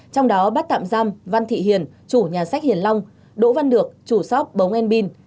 trong đó bắt tạm giam văn thị hiền chủ nhà sách hiền long đỗ văn được chủ sóc bống en bin